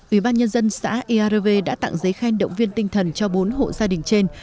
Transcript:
ủy ban nhân dân xã iarve đã tặng giấy khen động viên tinh thần cho bốn hộ gia đình trên